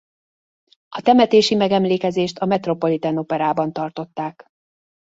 A temetési megemlékezést a Metropolitan Operában tartották.